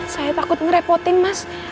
saya takut ngerepotin mas